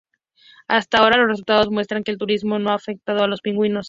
Hasta ahora, los resultados muestran que el turismo no ha afectado a los pingüinos.